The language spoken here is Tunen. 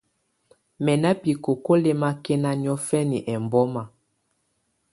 Mɛ́ ná bikókó lɛ́mákɛ́ná niɔ̀fɛ́ná ɛmbɔ́ma.